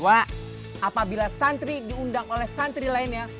apabila santri diundang oleh santri lainnya